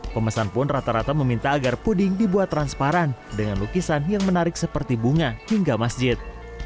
pemesan pun rata rata meminta agar puding dibuat transparan dengan lukisan yang menarik seperti bunga hingga masjid